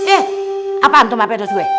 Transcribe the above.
eh apaan tuh mbak pedos gue